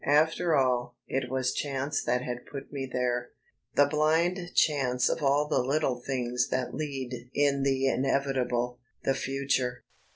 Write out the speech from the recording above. After all, it was chance that had put me there, the blind chance of all the little things that lead in the inevitable, the future.